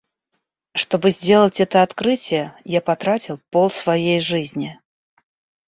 Чтобы сделать это открытие, я потратил пол своей жизни.